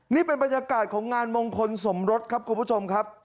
นี่เป็นบรรยากาศของงานมงคลสมรสครับคุณผู้ชมครับ